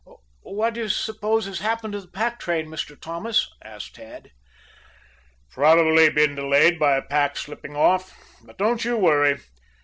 "What do you suppose has happened to the pack train, Mr. Thomas?" asked Tad. "Probably been delayed by a pack slipping off. But don't you worry.